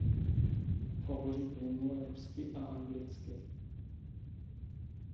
Hovoří plynule rusky a anglicky.